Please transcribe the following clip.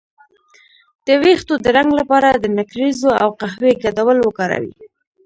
د ویښتو د رنګ لپاره د نکریزو او قهوې ګډول وکاروئ